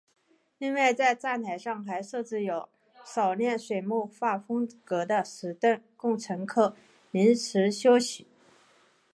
另外在站台上还设置有少量水墨画风格的石凳供乘客临时休息。